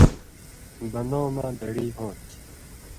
بن٘دؤں مہ دڑی ہوں تھی